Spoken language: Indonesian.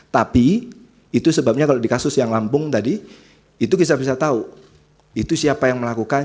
tapi itu sebabnya kalau di kasus yang lampung tadi itu kita bisa tahu itu siapa yang melakukan